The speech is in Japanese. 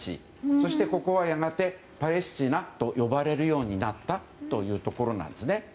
そして、ここはやがてパレスチナ呼ばれるようになったということです。